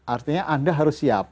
artinya anda harus siap